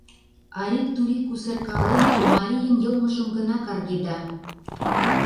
Арик-турик кусаркален, марийын йылмыжым гына каргеда.